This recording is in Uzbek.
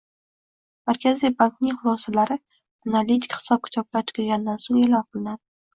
Markaziy bankning xulosalari analitik hisob -kitoblar tugagandan so'ng e'lon qilinadi